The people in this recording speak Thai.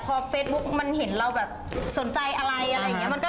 พอเฟซบุ๊กมันเห็นเราแบบสนใจอะไรอะไรอย่างนี้